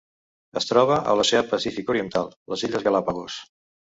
Es troba a l'Oceà Pacífic oriental: les Illes Galápagos.